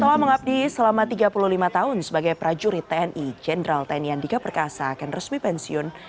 setelah mengabdi selama tiga puluh lima tahun sebagai prajurit tni jenderal tni andika perkasa akan resmi pensiun